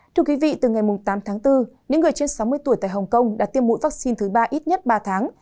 thưa quý vị từ ngày tám tháng bốn những người trên sáu mươi tuổi tại hồng kông đã tiêm mũi vaccine thứ ba ít nhất ba tháng